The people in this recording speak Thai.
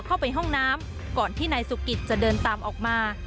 เข้าไปห้องน้ำก่อนที่นายสุกิตจะเดินตามออกมา